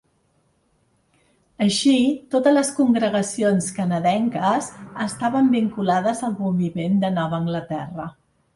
Així, totes les congregacions canadenques estaven vinculades al moviment de Nova Anglaterra.